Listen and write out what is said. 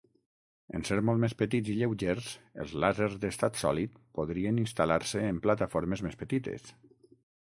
En ser molt més petits i lleugers, els làsers d'estat sòlid podrien instal·lar-se en plataformes més petites.